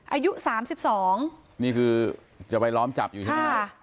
อายุสามสิบสองนี่คือจะไปล้อมจับอยู่ใช่ไหม